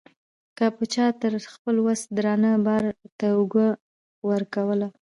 که به چا تر خپل وس درانه بار ته اوږه ورکوله.